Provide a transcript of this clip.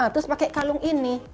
terus pakai kalung ini